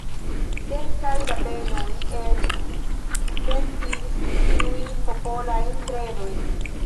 Kelkaj rabenoj eĉ kusentis tiujn popolajn kredojn.